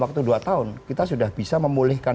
waktu dua tahun kita sudah bisa memulihkan